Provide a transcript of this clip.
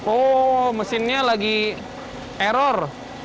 oh mesinnya lagi error